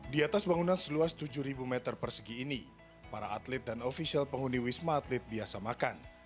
di atas bangunan seluas tujuh meter persegi ini para atlet dan ofisial penghuni wisma atlet biasa makan